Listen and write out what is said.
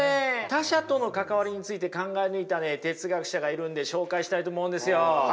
他者との関わりについて考え抜いた哲学者がいるんで紹介したいと思うんですよ。